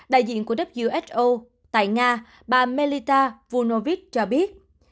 đại diện của who tại nga melita vujnovic cho biết